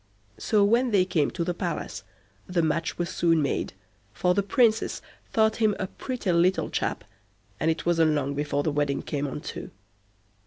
So, when they came to the palace, the match was soon made, for the Princess thought him a pretty little chap, and it wasn't long before the wedding came on too.